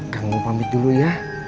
kamu pamit dulu ya